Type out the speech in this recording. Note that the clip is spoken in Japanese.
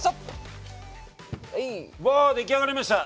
うわ出来上がりました！